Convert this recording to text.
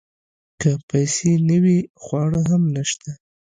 که پیسې نه وي خواړه هم نشته .